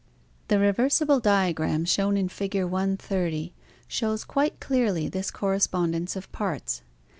The reversible diagram shown in Figure 130 shows quite clearly this correspondence of parts.